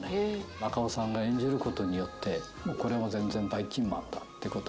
中尾さんが演じる事によって「これは全然ばいきんまんだ！」っていう事になって。